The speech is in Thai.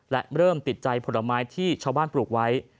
และเริ่มติดใจผลไม้ที่ชาวบ้านปลูกไว้